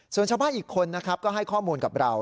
ส่วนเฉพาะอีกคนก็ให้ข้อมูลกับเรา